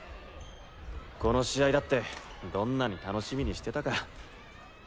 この試合だってどんなに楽しみにしてたか。